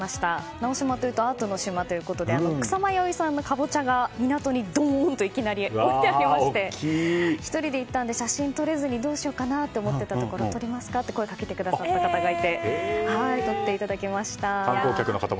直島というとアートの島ということで草間彌生さんのカボチャが港にドーンといきなり置いてあって１人で行って写真を撮れずにどうしようかなと思っていたところ撮りますかと声掛けてくださって撮っていただきました。